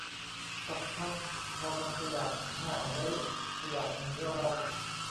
สักพักพอมันขยับ อ้าวเฮ้ยขยับหนีเรา